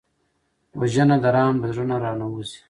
وژنه د رحم له زړه نه را نهوزي